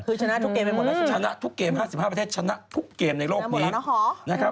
คือชนะทุกเกม๕๕ประเทศชนะทุกเกมในโลกนี้